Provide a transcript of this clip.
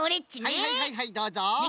はいはいはいはいどうぞ！